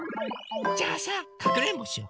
じゃあさかくれんぼしよ。